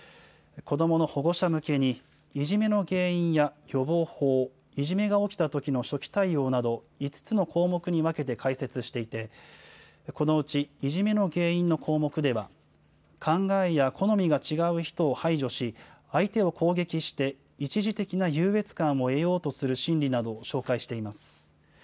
子どもの保護者向けに、いじめの原因や予防法、いじめが起きたときの初期対応など、５つの項目に分けて解説していて、このうちいじめの原因の項目では、考えや好みが違う人を排除し、相手を攻撃して一時的な優越感を得ようとする心理などを紹介しています。